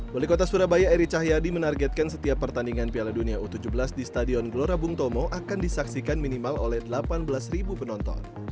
wali kota surabaya eri cahyadi menargetkan setiap pertandingan piala dunia u tujuh belas di stadion gelora bung tomo akan disaksikan minimal oleh delapan belas penonton